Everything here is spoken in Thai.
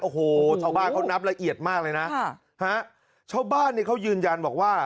โอ้โหชาวบ้านเขานับละเอียดมากเลยนะชาวบ้านเนี่ยเขายืนยันบอกว่า